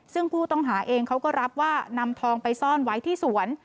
ซึ่งผู้ต้องหาเองเขาก็รับว่านำทองไปซ่อนไว้ที่สวน